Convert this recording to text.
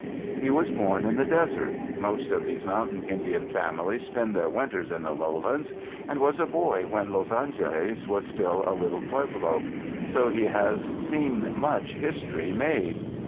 He was born in the desert — most of these mountain Indian families spend their winters in the lowlands — and was a boy when Los Angeles was still a little pueblo; so he has seen much his tory made.